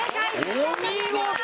お見事！